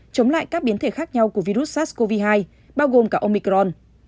chống lại các biến thể khác nhau của virus sars cov hai bao gồm cả omicron